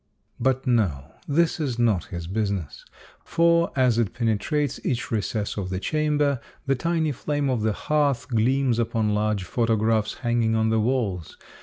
But no — this is not his business. For, as it penetrates each recess of the chamber, the tiny flame of the hearth gleams upon large photo graphs hanging on the walls.